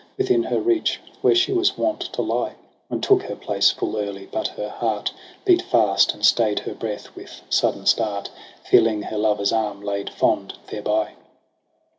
Within her reach, where she was wont to lie : And took her place full early j but her heart Beat fast, and stay'd her breath with sudden start. Feeling her lover's arm laid fond thereby.